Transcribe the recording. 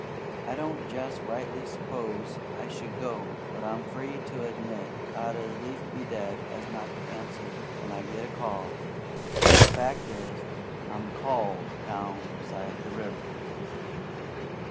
"I don't jest rightly s'pose I should go; but I'm free to admit I'd as lief be dead as not to answer when I get a call, an' the fact is, I'm CALLED down beside the river."